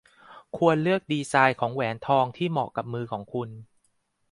ควรเลือกดีไซน์ของแหวนทองที่เหมาะกับมือของคุณ